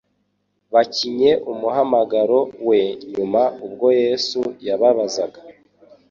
Bakinye umuhamagaro we. Nyuma ubwo Yesu yababazaga